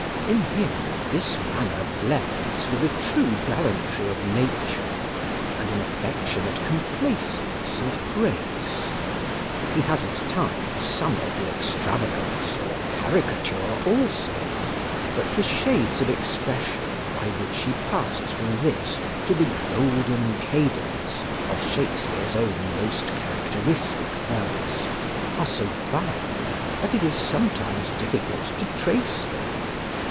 In him this manner blends with a true gallantry of nature, and an affectionate complaisance and grace. He has at times some of its extravagance or caricature also, but the shades of expression by which he passes from this to the "golden cadence" of Shakespeare's own most characteristic verse, are so fine, that it is sometimes difficult to trace them.